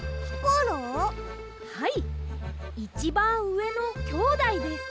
はいいちばんうえのきょうだいです。